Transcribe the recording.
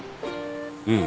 うん。